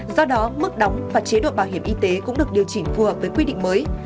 do đó mức đóng và chế độ bảo hiểm y tế cũng được điều chỉnh phù hợp với quy định mới